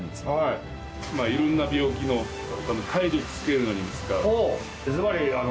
いろんな病気の体力つけるのに使う。